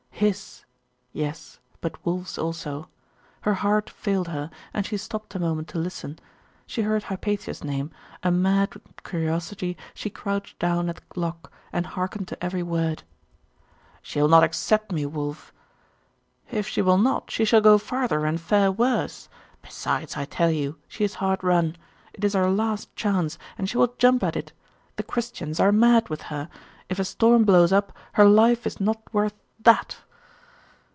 His! yes; but Wulf's also. Her heart failed her, and she stopped a moment to listen.... She heard Hypatia's name; and mad with curiosity, crouched down at the lock, and hearkened to every word. 'She will not accept me, Wulf.' 'If she will not, she shall go farther and fare worse. Besides, I tell you, she is hard run. It is her last chance, and she will jump at it. The Christians are mad with her; if a storm blows up, her life is not worth that!